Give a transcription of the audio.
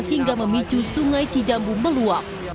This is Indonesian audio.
hingga memicu sungai cijambu meluap